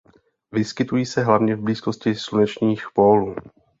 Vyskytují se hlavně v blízkosti slunečních pólů.